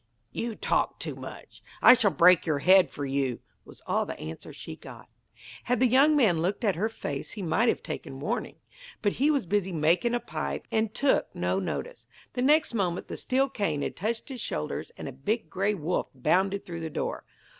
'You talk too much. I shall break your head for you!' was all the answer she got. Had the young man looked at her face he might have taken warning, but he was busy making a pipe, and took no notice. The next moment the steel cane had touched his shoulders, and a big grey wolf bounded through the door.